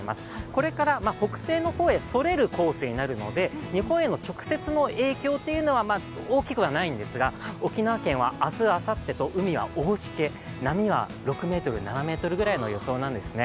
これから北西の方へそれるコースになるので、日本への直接の影響は大きくはないんですが、沖縄県は明日、あさってと海は大しけ、波は６ｍ、７ｍぐらいの予想なんですね。